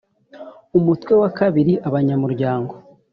umutwe wa ii abanyamuryango